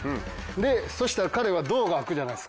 でそしたら彼は胴が空くじゃないですか。